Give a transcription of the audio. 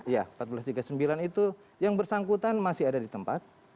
ya seribu empat ratus tiga puluh sembilan itu yang bersangkutan masih ada di tempat